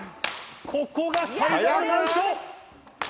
ここが最大の難所！